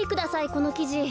このきじ。